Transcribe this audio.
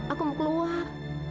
aku mau keluar